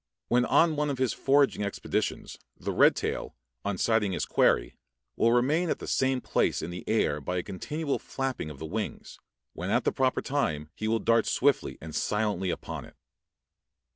When on one of his foraging expeditions, the red tail, on sighting his quarry, will remain at the same place in the air by a continual flapping of the wings, when at the proper time he will dart swiftly and silently upon it.